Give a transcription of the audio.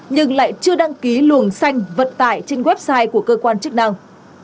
nhưng lại chưa đăng ký luồng xanh vận tải trên website của cơ quan chức năng